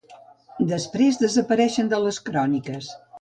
Després desapareixen de les cròniques.